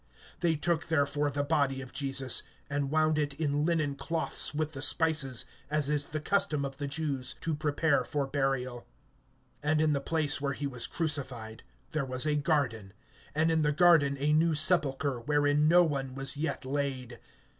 (40)They took therefore the body of Jesus, and wound it in linen cloths with the spices, as is the custom of the Jews to prepare for burial. (41)And in the place where he was crucified there was a garden, and in the garden a new sepulchre, wherein no one was yet laid.